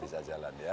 bisa jalan ya